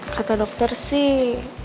kata dokter sih